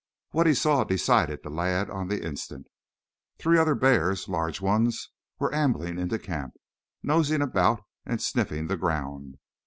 What he saw decided the lad on the instant. Three other bears, large ones, were ambling into camp, nosing about and sniffing the ground.